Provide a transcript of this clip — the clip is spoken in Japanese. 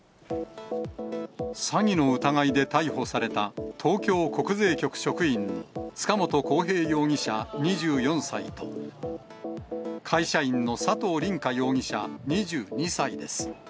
詐欺の疑いで逮捕された、東京国税局職員、塚本晃平容疑者２４歳と、会社員の佐藤凛果容疑者２２歳です。